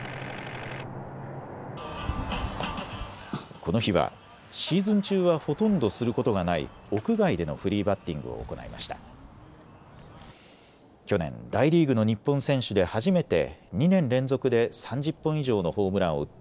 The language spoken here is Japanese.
この日はシーズン中はほとんどすることがない屋外でのフリーバッティングを行いました。